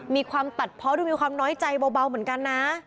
มีความตัดเพราะดูมีความน้อยใจเบาเหมือนกันนะ